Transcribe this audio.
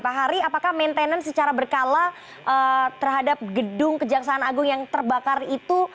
pak hari apakah maintenance secara berkala terhadap gedung kejaksaan agung yang terbakar itu